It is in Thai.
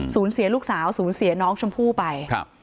สูญเสียลูกสาวสูญเสียน้องชมพู่ไป